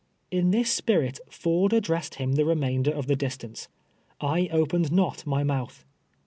In this spirit Ford addressed him the remainder of the distance. I opened not my mouth.